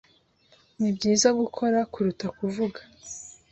Nibyiza gukora kuruta kuvuga.